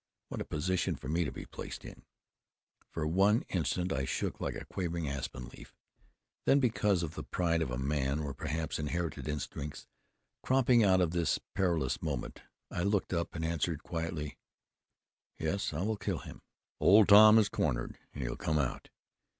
What a position for me to be placed in! For one instant I shook like a quivering aspen leaf. Then because of the pride of a man, or perhaps inherited instincts cropping out at this perilous moment, I looked up and answered quietly: "Yes. I will kill him!" "Old Tom is cornered, and he'll come out.